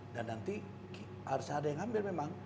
dan nanti harusnya ada yang ambil memang